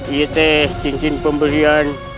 iyeteh cincin pemberian